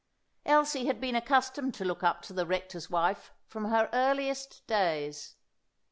Elsie had been accustomed to look up to the rector's wife from her earliest days.